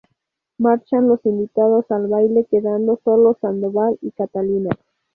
Marchan los invitados al baile, quedando solos Sandoval y Catalina.